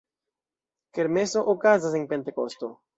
Kermeso okazas en Pentekosto.